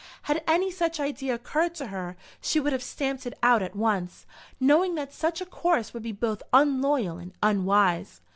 Had any such idea occurred to her, she would have stamped it out at once, knowing that such a course would be both unloyal and unwise.